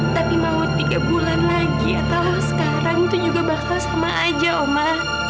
tapi mau tiga bulan lagi atau sekarang itu juga bakal sama aja oma